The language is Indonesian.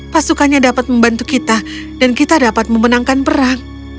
pasukannya dapat membantu kita dan kita dapat memenangkan perang